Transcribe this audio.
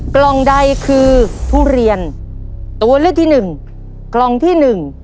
กล่องใดคือทุเรียนตัวเลือกที่หนึ่งกล่องที่หนึ่ง